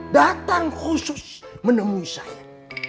datang khusus menemui saya